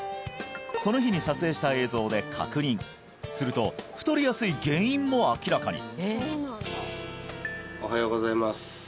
その日に撮影した映像で確認すると太りやすい原因も明らかにおはようございます